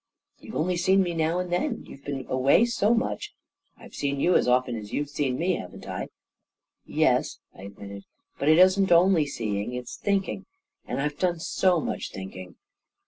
"You've only seen me now and then — you've been away so much ..."" I've seen you as often as you've seen me, haven't I?" "Yes," I admitted; "but it isn't only seeing — it's thinking; and I've done so much thinking